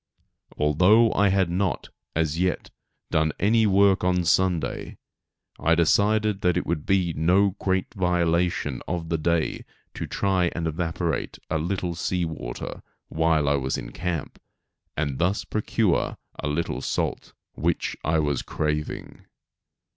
Although I had not, as yet, done any work on Sunday, I decided that it would be no great violation of the day to try to evaporate a little sea water, while I was in camp, and thus procure a little salt, which I was craving.